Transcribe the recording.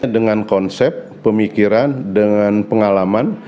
dengan konsep pemikiran dengan pengalaman